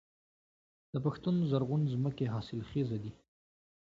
د پښتون زرغون ځمکې حاصلخیزه دي